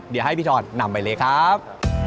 เดี๋ยวให้พี่ชอนนำไปเลยครับ